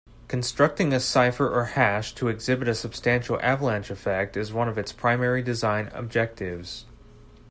Constructing a cipher or hash to exhibit a substantial avalanche effect is one of its primary design objectives.